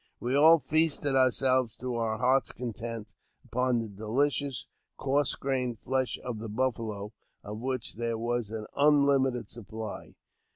We all feasted ourselves to our hearts' content upon the delicious, coarse grained flesh of the buffalo, of which there was an unlimited supply.